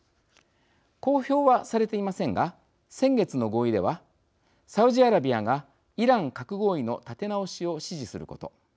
公表はされていませんが先月の合意ではサウジアラビアがイラン核合意の立て直しを支持すること。